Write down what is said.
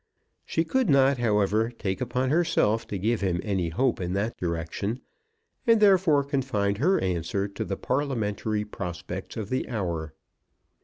She could not, however, take upon herself to give him any hope in that direction, and therefore confined her answer to the Parliamentary prospects of the hour.